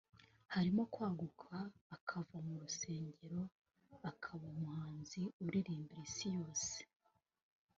harimo kwaguka akava mu rusengero akaba umuhanzi uririmbira isi yose